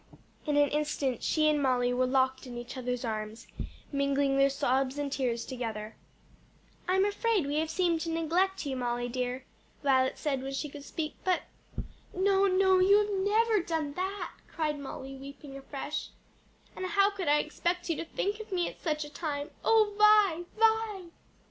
In an instant she and Molly were locked in each other's arms, mingling their sobs and tears together. "I'm afraid we have seemed to neglect you, Molly dear," Violet said when she could speak, "but " "No, no, you have never done that!" cried Molly, weeping afresh. "And how could I expect you to think of me at such a time! O Vi, Vi!"